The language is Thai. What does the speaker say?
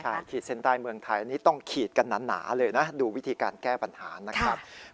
ใช่ขีดเส้นใต้เมืองไทยนี่ต้องขีดกันหนาเลยนะดูวิธีการแก้ปัญหานะครับ